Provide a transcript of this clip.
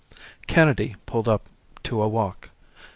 Kennedy pulled up to a walk.